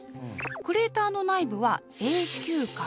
クレーターの内部は「永久影」